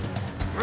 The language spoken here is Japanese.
あ！